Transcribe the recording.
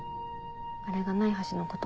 あれがない橋のこと。